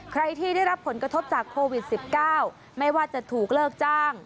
ใครที่ได้รับผลกระทบจากโควิด๑๙ไม่ว่าจะถูกเลิกจ้าง